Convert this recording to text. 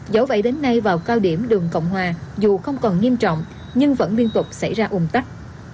dẫu vậy đến nay vào cao điểm đường cộng hòa dù không còn nghiêm trọng nhưng vẫn liên tục xảy ra ủng tắc